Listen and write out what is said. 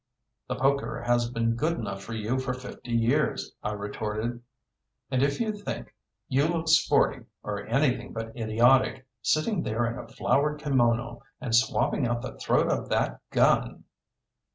"The poker has been good enough for you for fifty years," I retorted. "And if you think you look sporty, or anything but idiotic, sitting there in a flowered kimono and swabbing out the throat of that gun